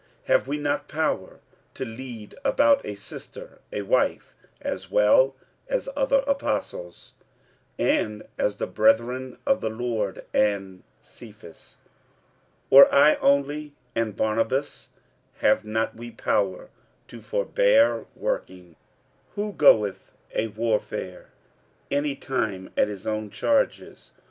46:009:005 Have we not power to lead about a sister, a wife, as well as other apostles, and as the brethren of the Lord, and Cephas? 46:009:006 Or I only and Barnabas, have not we power to forbear working? 46:009:007 Who goeth a warfare any time at his own charges?